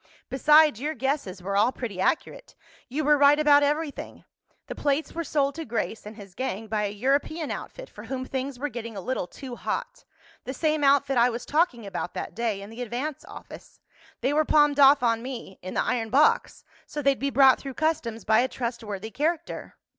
"Besides, your guesses were all pretty accurate. You were right about everything. The plates were sold to Grace and his gang by a European outfit for whom things were getting a little too hot—the same outfit I was talking about that day in the Advance office. They were palmed off on me, in the iron box, so they'd be brought through customs by a trustworthy character."